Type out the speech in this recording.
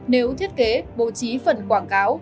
nếu thiết kế bố trí phần quảng cáo